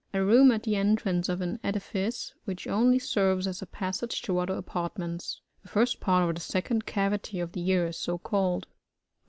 A room at the entrance of an edifice, which only serres as a passage to other apart ments. The first part of the second cavity of the ear is so called.